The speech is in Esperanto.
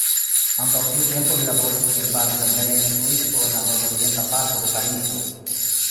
Antaŭ tiu tempo li laboris kiel bazlerneja instruisto en la nordorienta parto de Parizo.